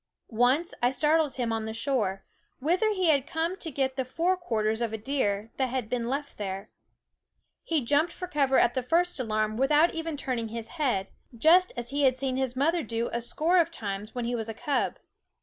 Once I startled him on the shore, whither he had come to get the fore quarters of a deer that had been left there. He jumped for cover at the first alarm without even turning his head, just as he had seen his mother do a score of times when he was a cub.